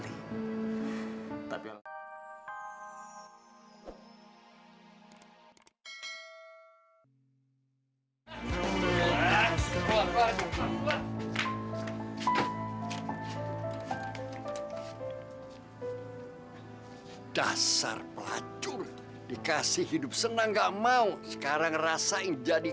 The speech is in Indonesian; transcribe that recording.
ibu sudah meluarkan darah banyak sekali